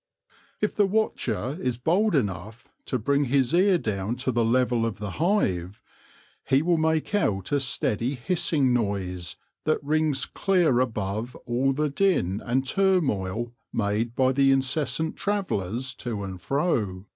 If the watcher is bold enough to bring his ear down to the level of the hive, he will make out a steady hissing noise that rings clear above all the din and turmoil made by the in cessant travellers to and fro.